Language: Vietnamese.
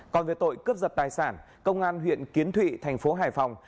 còn về tội cướp giật tài sản công an huyện kiến thụy thành phố hải phòng